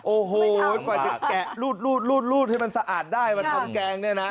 โอ้โหกว่าจะแกะรูดรูดรูดรูดให้มันสะอาดได้มันทำแกงเนี้ยน่ะ